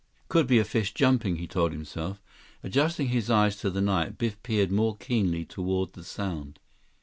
"Could be a fish jumping," he told himself. Adjusting his eyes to the night, Biff peered more keenly toward the sound.